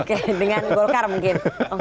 oke dengan golkar mungkin